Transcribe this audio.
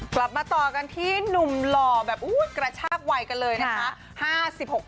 กลับมาต่อกันที่หนุ่มหล่อแบบกระชากวัยกันเลยนะคะ